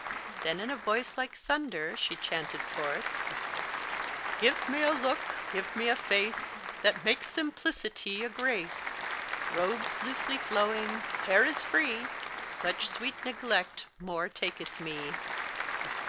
Then in a voice like thunder, she chanted forth "Give me a look, give me a face That makes simplicity a grace; Robes loosely flowing, hair as free, Such sweet neglect more taketh me."